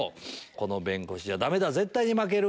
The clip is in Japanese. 「この弁護士じゃダメだ絶対に負ける」